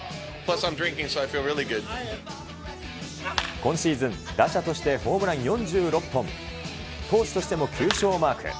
今シーズン、打者としてホームラン４６本、投手としても９勝をマーク。